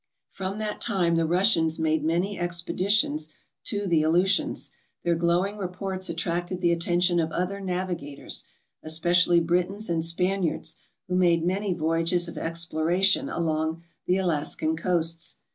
From that time the Russians made many expeditions to the Aleutians. Their glowing reports attracted the attention of other navigators, especially Britons and Spaniards, who made many voyages of exploration along the Alaskan coasts.